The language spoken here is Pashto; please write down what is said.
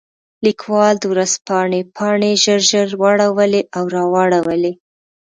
لیکوال د ورځپاڼې پاڼې ژر ژر واړولې او راواړولې.